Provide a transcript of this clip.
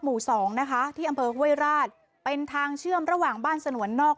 หมู่สองนะคะที่อำเภอห้วยราชเป็นทางเชื่อมระหว่างบ้านสนวนนอก